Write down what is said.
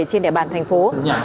trên địa bàn thành phố